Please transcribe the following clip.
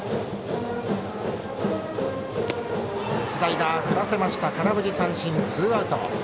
スライダーを振らせて空振り三振、ツーアウト。